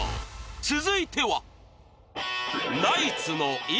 続いては？